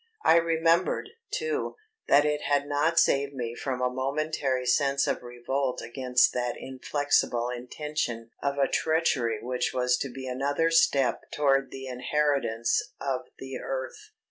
I remembered, too, that it had not saved me from a momentary sense of revolt against that inflexible intention of a treachery which was to be another step toward the inheritance of the earth.